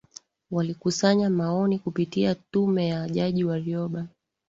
Walikusanya maoni kupitia Tume ya Jaji Warioba